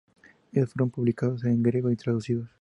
Ellos fueron publicados en griego y traducidos.